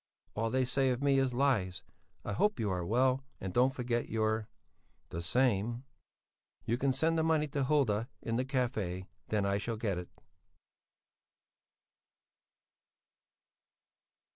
All they say of me is lies i hope you are well and dont forget your The same. You can send the money to Hulda in the Café then i shall get it.